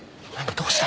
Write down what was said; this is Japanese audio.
どうしたの？